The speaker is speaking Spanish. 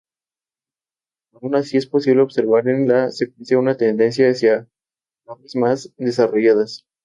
Aun así es posible observar en la secuencia una tendencia hacia aves más desarrolladas.